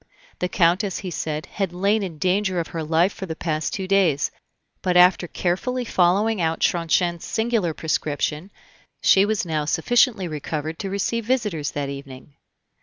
The Countess, he said, had lain in danger of her life for the past two days; but after carefully following out Tronchin's singular prescription, she was now sufficiently recovered to receive visitors that evening.